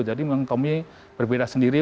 jadi memang tommy berbeda sendiri